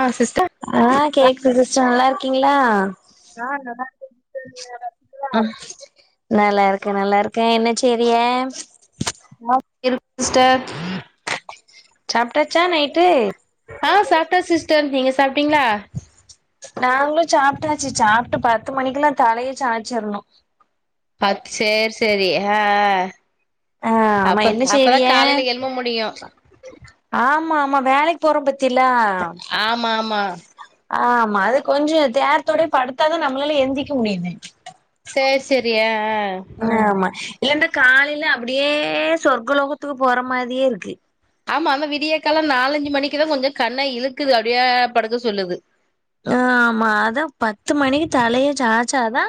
ஆ sister ஆ கேக்குது sister நல்லா இருக்கீங்ளா ஆ நல்லாயிருக்கேன் சிஸ்டர் நீங்க நல்லாரு ஆ நல்லா இருக்கேன் நல்லா இருக்கேன் என்ன செய்றீக [inaudible] இருக்கு சிஸ்டர் சாப்டாச்சா நைட்டு ஆ சாப்ட்ட சிஸ்டர் நீங்க சாப்ட்டீங்ளா நாங்ளு சாப்ட்டாச்சு சாப்ட்டு பத்து மணிக்கல்லா தலைய சாச்சிரணு பச் சேர் செரி ஆ ஆ ஆமா அப்ப என்ன அப்பதா காலைல எழும்ப முடியு ஆமாமா வேலைக் போறோ பாத்திலா ஆமா ஆமா ஆமா அது கொஞ்சோ தேரத்தோட படுத்தாத நம்மளால எந்திக முடியுமே சேர் சேரி அ அ ஆமா இல்ல இந்த காலைல அப்டியே சொர்க்கலோகத்துக்கு போற மாரியே இருக்கு ஆமா அந்த விடியகால நாலஞ்சு மணிக்குதா கொஞ்சோ கண்ணா இழுக்குது அப்டியே படுக்க சொல்லுது ஆமா அது பத்து மணிக்கு தலைய சாச்சாதா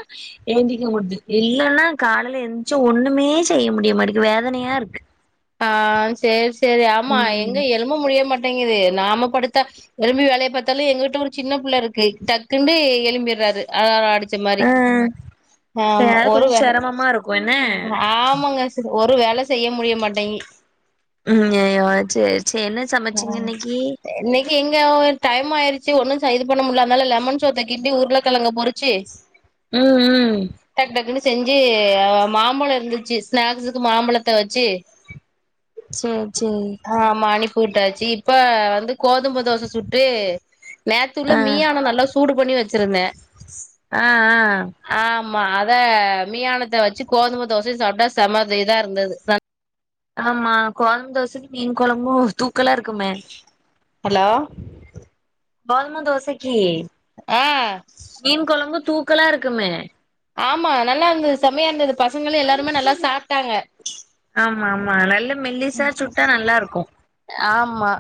எந்திக்க முடுது இல்லனா கால்ல எந்துச்சு ஒண்ணுமே செய்ய முடியுமாட்டிக்கு வேதனையா இரு ஆ சேர் செரி ஆமா எங்க ம் எலும்ப முடிய மாட்டேங்குது நாம படுத்தா எலும்பி வேலைய பாத்தாலு எங்கிட்ட ஒரு சின்ன புள்ள இருக்கு டக்குன்னு எலும்பிர்றாரு அலாரோ அடிச்ச மாரி ஆ ஆமா ஒரு வே மா இருக்கு என்ன ஆமாங்க ஒரு வேல செய்ய முடிய மாட்டீங் ம் யோ சேரி சேரி என்ன ஆ சமச்சீங்க இன்னைக்கு இன்னைக்கு எங்க டைம் ஆயிருச்சு ஒன்னு ச இது பண்ண முடில அதனால லெமன் சோத்த கிண்டி உருளகிழங்க பொருச்சு ம் ம் டக்கு டக்குன்னு செ ஞ்சு மாம்பழோ இருந்துச்சு ஸ்நாக்ஸுக்கு மாம்பழத்த வெச்சு சேர் சேரி ஆ அனுப்பி விட்டாச்சு இப்ப வந்து கோதும தோச சுட்டு நேத்தல்ல ஆ மீயானோ நல்லா சூடு பண்ணி வெச்சிருந்த ஆ ஆ ஆமா அத மியானத்த வெச்சு கோதும தோசையு சாப்ட்டா செம இதா இருந்துது ஆமா கோதும தோசைக்கு மீன் கொழம்பு தூக்கலா இருக்குமே ஹலோ கோதும தோசைக்கி ஆ மீன் கொழம்பு தூக்கலா இருக்குமே ஆமா நல்லா இருந்தது செமையா இருந்தது பசங்களு எல்லாருமே நல்லா சாப்ட்டாங்க ஆமாமா நல்ல மெல்லிசா சுட்டா நல்லா இருக்கு ஆமா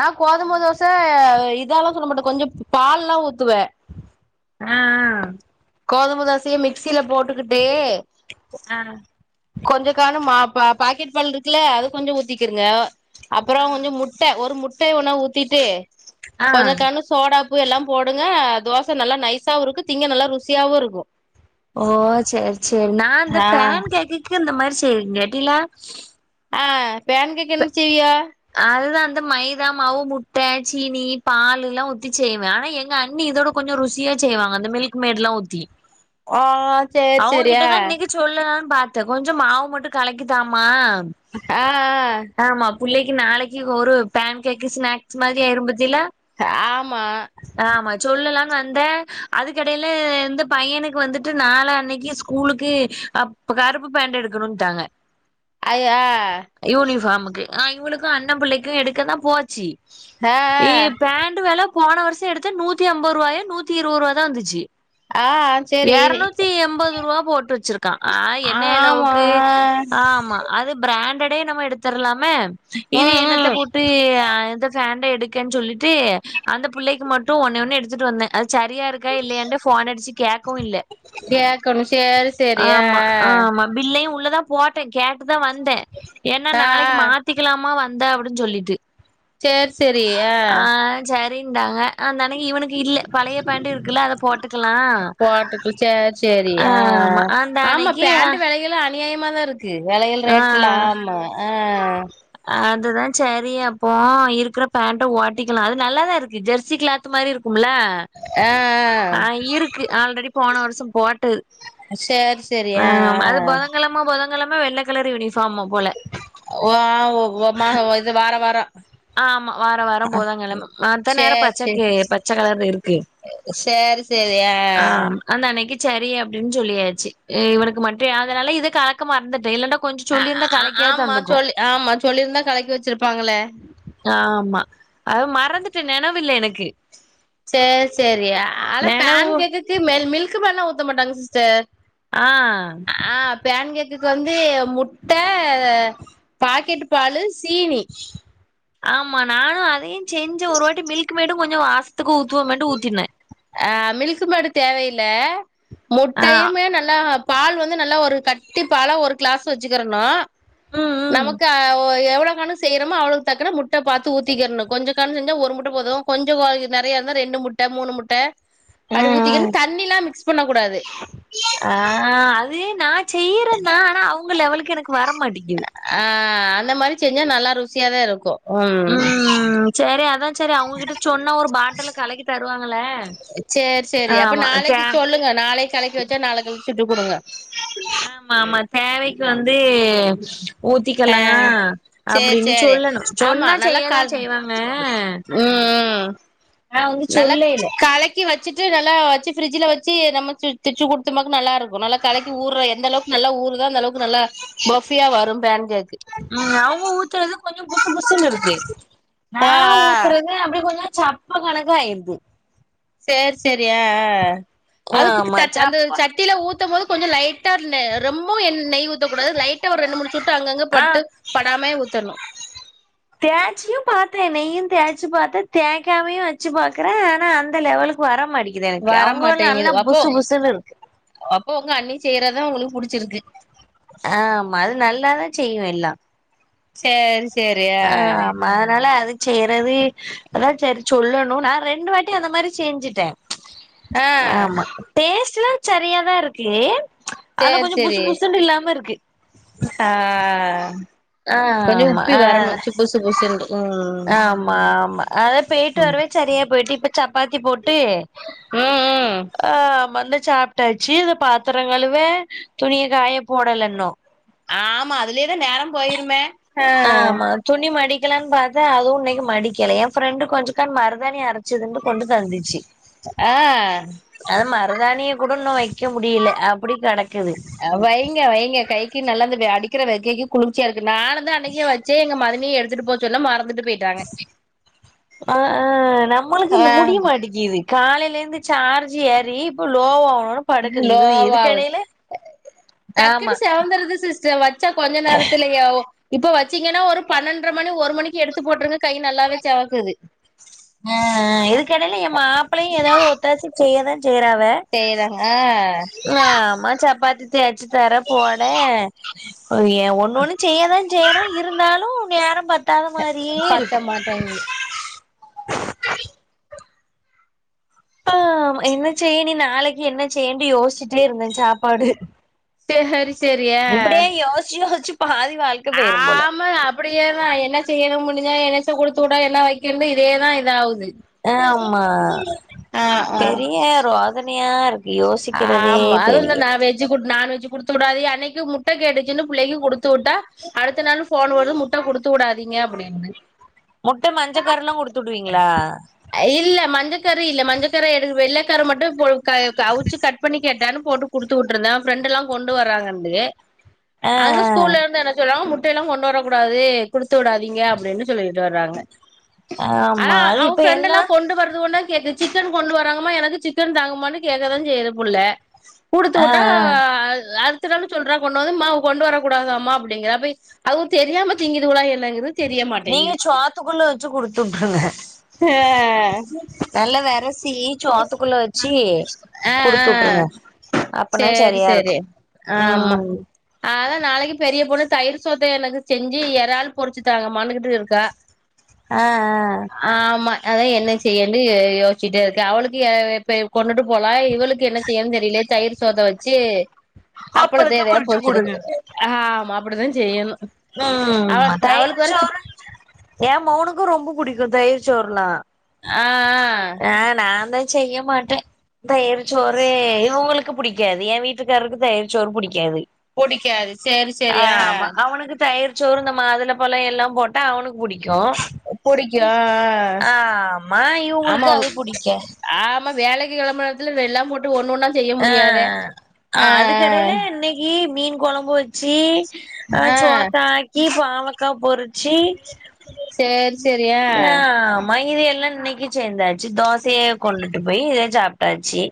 நா கோதும ம் தோச இதாயெல்லா சொல்ல மாட்ட கொஞ்சோ பால் எல்லா ஊத்துவ ஆ கோதும தோசய மிக்சியில போட்டுகிட்டு ஆ கொஞ்ச காண மா பா பாக்கெட் பால் இருக்கல்ல அது கொஞ்சோ ஊத்திக்கிருங்க ஆ அப்புறம் கொஞ்சம் மு சே ஒரு முட்டைய ஒண்ணா ஊத்திட்டு ஆ கொஞ்சோ கனுஷ் சோடா உப்பு எல்லாம் போடுங்க தோச நல்லா நைஸாவுருக்கும் திங்க நல்லா ருசியாவுருக்கும் ஓ செரி செரி நான் இந்த ஆ பேன் கேக்குக்கு இந்த மாதிரி செய்றேங்க டீளா ஆ பேன் கேக்கு என்ன செய்விய அதுதான் அந்த மைதா மாவு முட்ட சீனி பாலெல்லாம் ஊத்தி செய்வே ஆனா எங்க அண்ணி இதோட கொஞசோ ருசியா செய்வாங்க அந்த மில்க் மேட்ல்லா ஊத்தி ஆ சேரி சேரி ஆ அவங்ககிட்டதான் மிகு சொல்லலானு பாத்தேன் கொஞ்சோ மாவ மட்டு கலக்கி தாமா ஆ ஆமா புள்ளைக்கு நாளைக்கு ஒரு பேன் கேக்கு ஸ்நாக்ஸ் மாதிரி ஆயிரு பாத்தீலா ஆமா ஆமா சொல்லலாம்னு வந்தேன் அதுக்கெடைல வந்து பையனுக்கு வந்துட்டு நாளன்னக்கி ஸ் கூலுக்கு அப் கருப்பு பேண்ட் எடுக்கணும்ட்டாங்க ஐ அ யூனிஃபார்ம்க்கு நா இவளுக்கு அண்ணே புள்ளைக்கு எடுக்க தா போச்சி ஆ ஏ பேண்ட வெல போன வருஷோ எடுத்தே நூத்தி அம்பது ரூபாயோ நூத்தி இருவது ரூவா தா வந்துச்சு ஆ சேரி எரநூத்தி எம்பது ரூபா போட்டு வச்சிருக்கான் ஆ என்ன ஆமா எழவுக்கு ஆமா அது பிராண்டடே நம்ம எடுத்தரலாமே இது ம் என்னத்த ம் போட்டு எந்த ஃபேண்ட எடுக்கன்னு சொல்லிட்டு அந்த புள்ளைக்கு மட்டும் ஒண்ணே ஒண்ணு எடுத்துட்டு வந்தே அது சரியாருக்கா இல்லையான்டு போன் அடிச்சு கேட்கவு இல்ல கேக்கணும் செரி செரி ஆ ஆமா ஆமா பில்லையு உள்ளதா போட்டே கேட்டுதா வந்தேன் ஏன்னா ஆ ஆ நாளைக்கு மாத் திக்கலாமா வந்தா அப்டின்னு சொல்லிட்டு சேரி சேரி ஆ செ ரின்னுடாங்க அதுனான இவனுக்கு இல்ல பழைய பேண்ட்டு இருக்குல்ல அத போட்டுக்கலா ட்டு கிழிச்சா செரி ஆமா அந்த ஆமா அன்னைக்கு பேண்ட்டு வெல எல்லா அநியாயமதா ருக்கு இருக்கு வெலையல் ரேட்டலா ஆமா ஆ அதுதான் செரி அப்போ இருக்குற பேண்ட ஓட்டிக்கலாம் அது நல்லாதாருக்கு ஜெர்சி கிளாத் து மாதிரி இருக்கும்ல ஆ ஆ க்கு ஆல்ரெடி போன வருஷோ போட்டு ஆ சேரி சேரி ஆ ஆமா அது பொதன்கெழம ஆமா புதங்கெழம வெள்ள கலர் யூனிஃபார்ம் போல வாவ் ஒ ஒங்மக ஒ இது வார வாரோ ஆமா வார வாரோ புதங்கெழம மத்த நேரோ பச்சக்கீ பச்ச கலர்ல இருக்கு செரி செரி ஆ அந்த அன்னக்கீ செரி அப்டின்னு சொல்லியாச்சு் இவனுக்கு மட்டும் ஆதலால இது கலக்க மறந்துட்டே இல்லண்டா கொஞ்சோ ஆ சொல்லிருந்தா கலக்கியாது ஆமா தந்துக்கும் சொல்லி ஆமா சொல்லிருந்தா கலக்கி வச்சிருப்பாங்களே ஆமா அது மறந்துட்டு நெ னவுல எனக்கு செரி செரி ஆனா நெனவு பேன் கேக்குக்கு மில்க் மென்னா ஊத்த மாட்டாங்க சிஸ்டர் ஆ ஆ பேன் கேக்குக்கு வந்து முட்ட பாக்கெட் பாலு சீனி ஆமா நானு அதையும் செஞ்சு ஒரு வாட்டி மில்க் மேடும் கொஞ்சோ வாசத்துக்கு ஊத்துவோமேன்னுடு ஊத்தினே அ மில்க்மெய்டு தேவஇல்ல ஆ முட்டையுமே நல்லா பால் வந்து நல்லா ஒரு கட்டி பாலா ஒரு கிளாஸ் வச்சுக்கிறனு ம் ம் நமக்கு அ ஒ எவ்வளவு கணக் செய்யறமோ அவளுக்கு தக்கன முட்ட பாத்து ஊத்திக்கனு கொஞ்ச கானு செஞ்சா ஒரு முட்ட போது கொஞ்சம் வ நெறய இருந்தா ரெண்டு முட் ட மூணு முட்ட ஆ அடி ஆ. ஊத்திக்கன்னு தண்ணில்லா மிக்ஸ் பண்ண கூடாது ஆ அது நா செய்யறேனா ஆனா அவுங்க லெவலுக்கு எனக்கு வரமாட்டேங்கிது ஆ அந்த மாரி செஞ்சா நல்லா ருசியாதா இருக்கு ம் சேரி அதா சேரி அவங்ககிட்ட சொன்னா ஒரு பாட்டில கலக்கி தருவா சேரி சேரி அப்ப தே நாளைக் சொல்லுங்க நாளைக் கலக்கி வச்சா நாளைக் கழிச்சு சுட்டு குடுங்க ஆமா ஆமா தேவைக்கு வந்து ஆ ஊத்திக்கலா சேரி அப்படின்னு சேரி சொல்லணும் ஆமா சொன்னா நல்லா செய்யதா கல் செய்வாங்க ம் ம் ஆனா வந்து நல்லா சொல்லைல கலக் க்கி வச்சுட்டு நல்லா வச்சு ஃப்ரிட்ஜுல வச்சு நம்ம சு திச்சு குடுத்த மாக்கு நல்லாருக்கு நல்லா கலக்கி ஊற எந்த அளவுக் நல்லா ஊருதா அந்த அளவுக்கு நல்லா பஃபியா வரு பேன் கேக்கு ம் அவுங்க ஊத்துறது கொஞ்ச புசு புசுன்னு இருக்கு நா ஆ ஆ ஊத்துறது அப்டி கொஞ்ச சப்ப கணக்கா ஆயிருது சேரி சேரி அ அ அது ஆமா குத் அந்த சப்ப சட்டில ஊத்தம் போது கொஞ்சோ லைட் ட்டார்னு ரொம்போ எண் நெய் ஊத்தக் கூடாது லைட்டா ஒரு ரெண்டு மூணு சொட்டு அங்கங்க ஆ பட்டு படாமே ஊத்தணு தேய்ச்சியு பாத்தேன் நெய்யு தேய்ச்சி பாத்தே தேக்காமையு வச்சு பாக்குறே ஆனா அந்த லெவலுக் வர மாட்டிக்கிது எனக்கு வர அவுங்க நல்லா மாட்டேங்குது அப்போ புசு புசுன்னு இருக்கு அப்போ ஒங்க அண்ணி செய்யறதா ஒங்களுக்கு புடிச்சிருக்கு ஆ ஆமா அது நல்லாதா செய்யு எல்லா சேரி ஸ் ஆ ஆம் அதனால அது செய்யறது அதா சேரி சொல்லணு நா ரெண்டு வாட்டி அந்த மாரி செஞ்சுட்டே ஆ ஆமா டேஸ்ட் எல்லா சரியா தா இருக்கு ஆனா சேரி கொஞ்சோ புசு சேரி புசுனு இல்லாம இருக்கு ஆ ஆ கொஞ்சோ ஆமா உப்பி ஆ வரணு சு புசு புசுன்ட்டு ம் ஆமா ஆமா அதா பேய்ட்டு ம் வரவே சரியா போய்ட்டு இப்ப சப்பாத்தி போட்டு ம் ம் ஆமா இந்தா சாப்ட்டாச்சு இந்த பாத்திரங் கழுவ துணிய காய போடல இன்னோ ஆமா அதுலயே தா நேரோ போயிருமே ஆ ஆமா துணி மடிக்கலான் பாத்தா அதுவு இன்னைக்கி மடிக்கல ஏ ஃப்ரெண்டு கொஞ்சக்கான் மருதாணி அரச் சுதுண்டு கொண்டு தந்துச்சி ஆ அது மருதாணிய கூட இன்னு வக்க முடில அப்டி கெடக்குது வைங்க வைங்க கைக்கு நல்லது வ அடிக்கிற வெக்கைக்கு குளுர்ச்சியா இருக்கு நானுந்தா அன்னைக்கே வச் சே எங்க மதினிய எடுத்துட்டு போ சொன்ன மறந்துட்டு போய் ஆ ஆ நம்மளுக்கு ஆ இந்த முடிய மாட்டேக்கீது காலயில இருந்து சார்ஜ் ஏறி இப்போ லோவோ லோவா ஆவுது டக்குனு ஆமா சிவந்துறுது சிஸ்டர் வச்சா கொஞ்ச நேரத்துலயோ இப்ப வச்சீங்கன்னா ஒரு பன்னெண்டர மணி ஒரு மணிக்கு எடுத்து போட்ருங்க கை நல்லாவே சிவக்குது அ இதுக்கு எடையில எ மாப்ளயு ஏதாவது ஒத்தாசை செய்ய தா செய்றாவ செய்றாங்க ஆமா சப்பாத்தி தேச்சி தர போன அவிய ஒன்னு ஒன்னு செய்யதாந்செய்றொ இருந்தாலு நேரோ பத் த பத்த மாட்டேங்கு ஆ என்ன செய்ய இனி நாளைக்கி என்ன செய்யன்டு யோஸ்சிட்டே இருந்த சாப்பாடு செகரி செரி இப்டியே யோஸ்ச்சி யோஸ்ச்சி பாதி வாழ்க்க பேய்ரும்போல ஆமா அப்டியேதா என்ன செய்யணு முடிஞ்சா என்னத்ந குடுத்துவுட என்ன வைக்கண்ணு இதேதா இதாவுது ஆமா ஆ ஆ பதனையா இருக்கு யோசிக்கிறதே ஆமா அது இந்த பெரிய நா வெஜ் குட் நான்வெஜ்ஜு குடுத் துடாதிய அன்னிக்கு முட்ட கேட்டுச்சுன்னு புள்ளைக்கு குடுத்துவுட்டா அடுத்த நாளு ஃபோனு வருது முட்ட குடுத்துவுடாதீங்க அப்டின்னு முட்ட மஞ்சக்கருலா குடுத்துடுவீங்ளா அ இல்ல மஞ்சக்கரு இல்ல மஞ்சக்கரு எனக்கு வெள்ளக்கரு மட்டு பொலு க அவுச்சு கட் பண்ணி கேட்டானு போட்டு குடுத்துவுட்ருந்த ஃப்ரெண்டெல்லா கொண்டு வராங்கண்டு ஆ அங்க ஸ்கூல்லர்ந்து என்ன சொல்றாங்க முட்டையெல்லா கொண்டு வர கூடாது குடுத்துவுடாதீங்க அப்டின்னு சொல்லீட்டு வராங்க ஆ ஆமா அது அவ இப்ப ஃப்ரெண்டெல்லா எல்லா கொண்டு வருதுவன்தா கேக்கு சிக்கன் கொண்டு வராங்கம்மா எனக்கு சிக்கன் தாங்கம்மானு கேக்கதா செய்யுது புள்ள ஆ குடுத்துவுட்டா ஆ அ அல் திறால்னு சொல்றா கொண்டு வந்து மா கொண்டு வரக்கூடாதாமா அப்டிங்கா அப்ப அவு தெரியாம திங்கிதுவலா என்னங்குறுத் தெரிய நீங்க மாட்டேங்கு சோத்துக்குள்ள வச்சு குடுத்துட்ருங்க அ நல்ல வெரசீ சோத்துக்குள்ள வச் சீ ஆ ஆ குடுத்துவுட்ருங்க அப்பனா சேரி சரியாருக்கு சேரி ஆ ஆமா அதா நாளைக்கி பெரிய பொண்ணு தயிரு சோத்த எனக்கு செஞ்சி ஏறால் பொரிச்சி தாங்கம்மானுகிட்டு இருக்கா ஆ அ ஆமா அதா என்ன செய்யண்டு யோஸ்ச்சிட்டே இருக்கே அவளுக்கு ஏ எப்ப கொண்டுட்டு போனா இவளுக்கு என்ன செய்யன் தெரிலே தயிர் சோத்த வச்சி ஆ அப்பளத்த எதயா பொறிச்சு குடுங்க பொரிச்செடுக்கு ஆமா அப்படிதா செய்யணு ஆ ம் டவளுக்கு அவளுக்கு தயிர் வேற சிட் சோறு ஏ மொவனுக்கு ரொம்ப புடிக்கு தயிர் சோறுனா அ அ நாந்தா செய்ய மாட்ட தயிருச்சோறு இவங்களுக் க்கு பிடிக்காது எ வீட்டுக்காரருக்கு தயிர்ச்சோரு பிடிக்காது புடிக்காது சரி சரி ஆ தயிர்ச்சோறு இந்த மாதுள பழோ எல்லா போட்டா அவனுக்கு புடிக்கு புடிக்கு ஆ ஆ ஆமா ஆமா இவங்களுக்கு அது புடிக்கா ஆமா வேலைக்கி கிளம்பறத்துல எல்லா போட்டு ஒண்ணு ஒன்னு செய்ய ஆ முடியாத ஆ ஏ மீன் கொழம்பு வச்சி ஆ சோத்த ஆக்கி பாவக்கா பொரி ச்சி சேரி சேரி ஆ ஆமா இது எல்லா இன்னைக்கி செஞ்சாச்சி தோசைய கொண்டுட்டு போய் இத சாப்ட்டாச்சி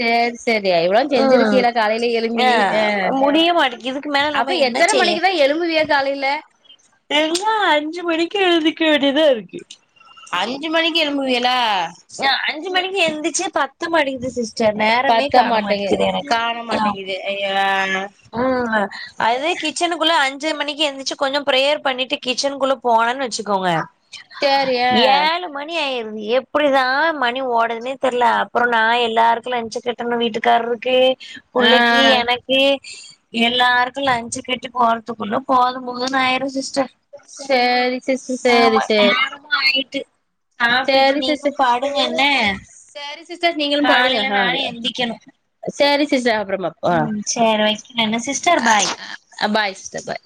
சேரி சேரி இவ்ளோ ம் செஞ்சிருக்கீல காலைல எழும்பி ஆ அ முடிய மாட்டேக்கு இதுக்கு மேல அப்ப நம்ம என்ன எத்தன செய்ய மணிக்குதா எழும்புவிய காலைல தெனோ அஞ்சு மணிக்கு எழுதிக்க வேண்டியதா இருக்கு அஞ்சு மணிக்கு எழும்புவியல அஞ்சு மணிக்கு எந்திச்சி பத்த மாட்டெக்குது சிஸ்டர் நேரமே காண மாட்டெக்குது எனக்கு அய்யோ ம் அதுதா கிச்சனுக்குள்ள அஞ்சு மணிக்கி எந்திச்சி கொஞ்சோ ப்ரேயர் பண்ணிட்டு கிச்சனுக்குள்ள போனன் வச்சிக்கோங்க சேரி ஆ ஏழு மணி ஆயிருது எப்படிதா மணி ஓடதுனே தெரியல அப்ரோ நா எல்லாருக்கு லன்ச்சுக்கு எங்க வீட்டுக்காரருக்கு ஆ புள்ளைக்கு எனக்கு எல்லாருக்கு லஞ்சு கட்டி போறதுக்குள்ள போது போதுன்னு ஆயிரு சிஸ்டர் சேரி சிஸ்டர் சேரி சேரி ஆய்ட்டு சேரி சிஸ்டர் சேரி சிஸ்டர் நீங்களும் படுங்க காலைல நானு அ எந்திக்கணு சேரி சிஸ்டர் அப்ரமா ம் சரி வைக்கற என்ன சிஸ்டர் பாய் ஆ பாய் சிஸ்டர் பாய்